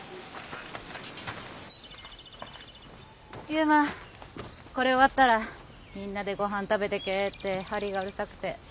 悠磨これ終わったらみんなでごはん食べてけってハリーがうるさくて。